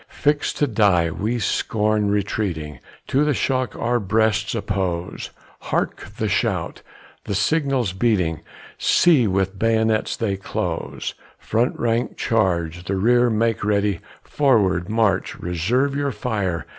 Fix'd to die, we scorn retreating, To the shock our breasts oppose, Hark! the shout, the signal beating, See, with bayonets they close: Front rank charge! the rear make ready! Forward, march reserve your fire!